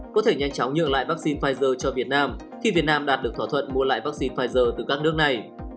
có thể nhanh chóng nhường lại vaccine pfizer cho việt nam khi việt nam đạt được thỏa thuận mua lại vaccine pfizer từ các nước này